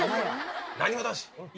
なにわ男子。